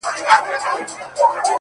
خو زه’